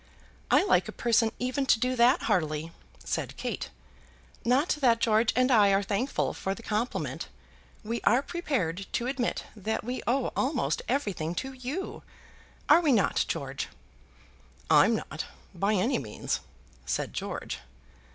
"I like a person even to do that heartily," said Kate. "Not that George and I are thankful for the compliment. We are prepared to admit that we owe almost everything to you, are we not, George?" "I'm not; by any means," said George.